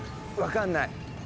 分かんない。